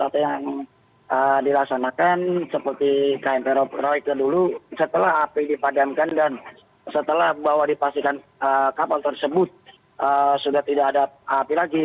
apa yang dilaksanakan seperti km teroproike dulu setelah api dipadamkan dan setelah bahwa dipastikan kapal tersebut sudah tidak ada api lagi